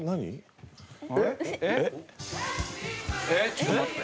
ちょっと待って。